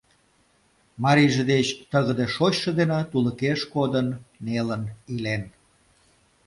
Марийже деч тыгыде шочшо дене тулыкеш кодын, нелын илен.